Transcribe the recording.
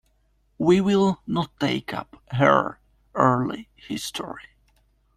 We will not take up her early history.